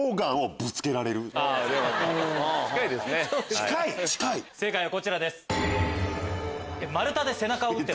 近い⁉正解はこちらです。